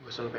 gak ada apa